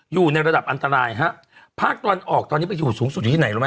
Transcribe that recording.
อยู่ในระดับอันตรายฮะภาคตะวันออกตอนนี้ไปอยู่สูงสุดอยู่ที่ไหนรู้ไหม